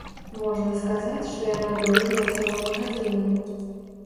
Можна сказаць, што яна доўжылася роўна гадзіну.